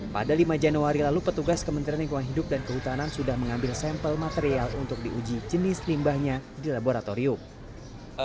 pada lima januari lalu petugas kementerian lingkungan hidup dan kehutanan sudah mengambil sampel material untuk diuji jenis limbahnya di laboratorium